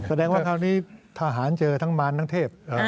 แสดงว่าคราวนี้ทหารเจอทั้งมารทั้งเทพ